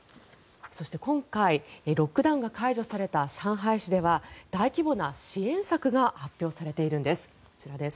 そして今回、ロックダウンが解除された上海市では大規模な支援策が発表されているんです。